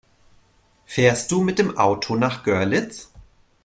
Fährst du mit dem Auto nach Görlitz?